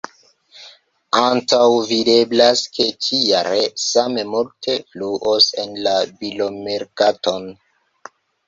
Antaŭvideblas ke ĉi-jare same multe fluos en la bilomerkaton.